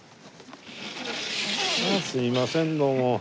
すいませんどうも。